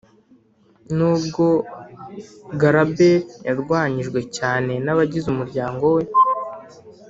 Nubwo Garber yarwanyijwe cyane n abagize umuryango we